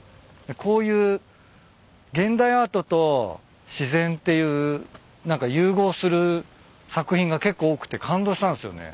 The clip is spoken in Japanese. こういう現代アートと自然っていう何か融合する作品が結構多くて感動したんすよね。